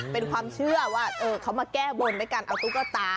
มีความเชื่อว่าเขามาแก้บนไปกันเอาตุ๊กตา